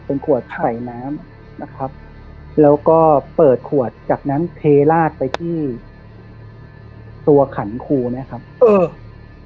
เป็นขวดใส่น้ำนะครับแล้วก็เปิดขวดจากนั้นเทราดไปที่ตัวขันครูนะครับเออ